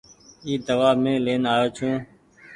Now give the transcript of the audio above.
اي دوآ مين لين آيو ڇون ۔